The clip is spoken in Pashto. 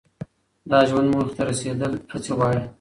د ژوند موخې ته رسیدل هڅې غواړي.